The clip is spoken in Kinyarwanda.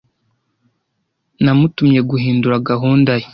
Namutumye guhindura gahunda ye.